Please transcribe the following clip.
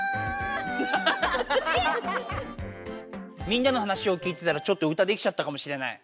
みんなの話を聞いてたらちょっと歌できちゃったかもしれない。